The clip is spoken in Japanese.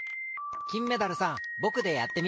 きんメダルさんぼくでやってみて。